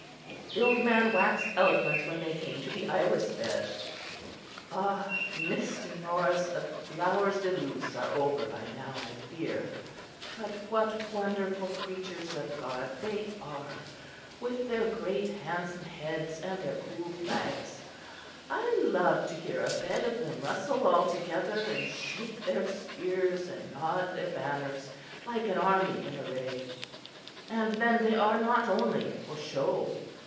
The old man waxed eloquent when they came to the iris bed. "Ah! Mr. Norris, the flowers de luce are over by now, I fear; but what wonderful creatures of God they are, with their great handsome heads and their cool flags. I love to hear a bed of them rustle all together and shake their spears and nod their banners like an army in array. And then they are not only for show.